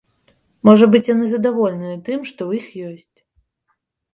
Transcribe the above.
Можа быць, яны задаволеныя тым, што ў іх ёсць.